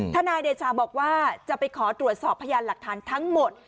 นายเดชาบอกว่าจะไปขอตรวจสอบพยานหลักฐานทั้งหมด